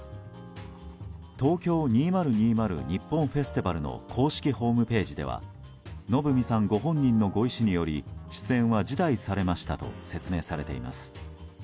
「東京２０２０ＮＩＰＰＯＮフェスティバル」の公式ホームページではのぶみさんご本人のご意思により出演は辞退されましたと説明されています。